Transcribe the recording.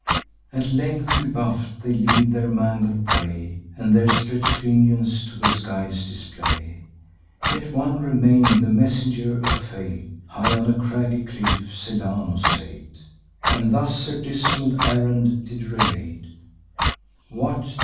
At length rebuff'd, they leave their mangled prey, And their stretch'd pinions to the skies display. Yet one remain'd, the messenger of Fate: High on a craggy cliff Celaeno sate, And thus her dismal errand did relate: 'What!